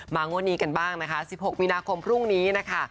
งวดนี้กันบ้างนะคะ๑๖มีนาคมพรุ่งนี้นะคะ